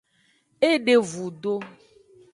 E de vudo.